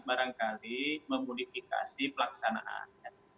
barangkali memodifikasi pelaksanaan